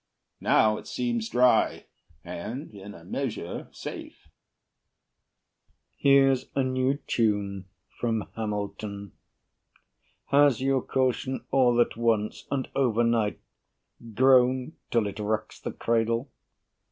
Now it seems dry, And in a measure safe. BURR Here's a new tune From Hamilton. Has your caution all at once, And over night, grown till it wrecks the cradle?